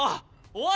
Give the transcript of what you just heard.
おい！